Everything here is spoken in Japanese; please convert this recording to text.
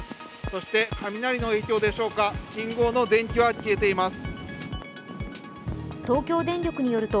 そして雷の影響でしょうか、信号の電気は消えています。